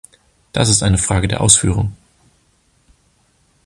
Das ist eine Frage der Ausführung.